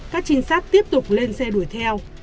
các trinh sát tiếp tục lên xe đuổi theo